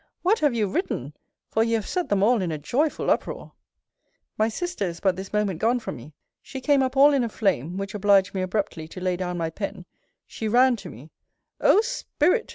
What have you written? For you have set them all in a joyful uproar! My sister is but this moment gone from me. She came up all in a flame; which obliged me abruptly to lay down my pen: she ran to me O Spirit!